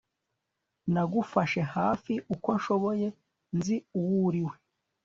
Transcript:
nagufashe hafi uko nshoboye, nzi uwo uriwe